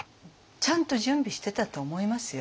ちゃんと準備してたと思いますよ。